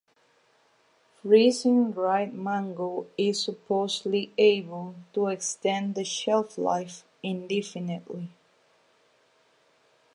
Freezing dried mango is supposedly able to extend the shelf life indefinitely.